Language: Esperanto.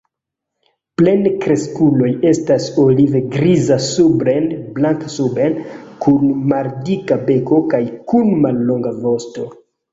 Plenkreskuloj estas olive-griza supren, blanka suben, kun maldika beko kaj kun mallonga vosto.